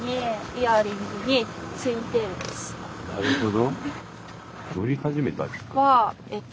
なるほど。